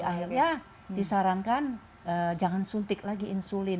akhirnya disarankan jangan suntik lagi insulin